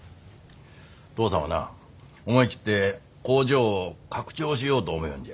父さんはな思い切って工場を拡張しようと思よんじゃ。